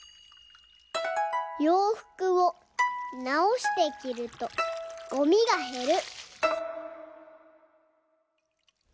「ようふくをなおしてきるとゴミがへる」。